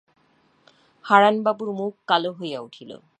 হারানবাবুর মুখ কালো হইয়া উঠিল।